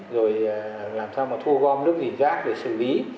rồi làm sao mà thu gom nước nghìn rác để xử lý